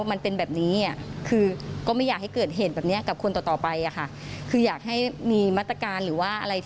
มันเป็นแบบนี้อ่ะคือก็ไม่อยากให้เกิดเหตุแบบเนี้ย